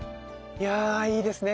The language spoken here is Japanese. いやいいですね